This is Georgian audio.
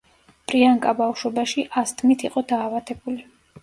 პრიანკა ბავშვობაში ასთმით იყო დაავადებული.